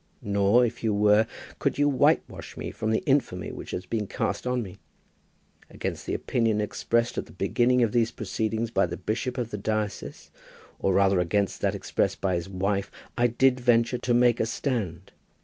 Nor, if you were, could you whitewash me from the infamy which has been cast on me. Against the opinion expressed at the beginning of these proceedings by the bishop of the diocese, or rather against that expressed by his wife, I did venture to make a stand.